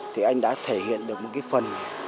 thì anh đã thể hiện được một cái phần